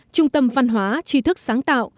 trung tâm văn hóa trí thức sáng tạo